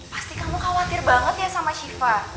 pasti kamu khawatir banget ya sama shiva